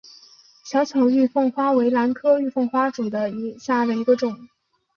小巧玉凤花为兰科玉凤花属下的一个种。